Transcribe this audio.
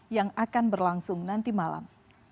yang akan berlangsung nanti malam